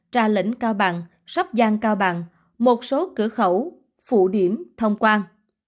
trà lĩnh cao bằng sắp giang cao bằng một số cửa khẩu phụ điểm thông quan